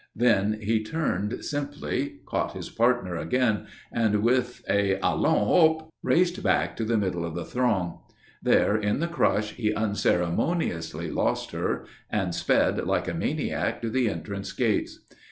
Then he turned simply, caught his partner again, and with a "Allons, Hop!" raced back to the middle of the throng. There, in the crush, he unceremoniously lost her, and sped like a maniac to the entrance gates.